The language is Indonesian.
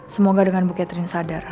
semoga dengan bu cathering sadar